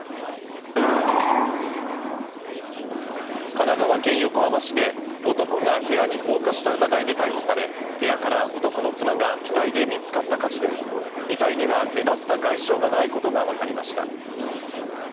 神奈川県横浜市で男が部屋に放火した疑いで逮捕され、部屋から男の妻が遺体で見つかった火事で、遺体には目立った外傷がないことがわかりました。